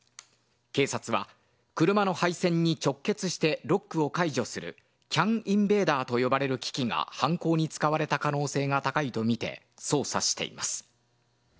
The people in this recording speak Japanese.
警察は車の配線に直結してロックを解除するＣＡＮインベーダーと呼ばれる機器が犯行に使われた可能性が高いとみて捜査しています。